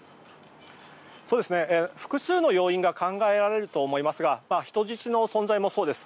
複数の要因が考えられると思いますが人質の存在もそうです。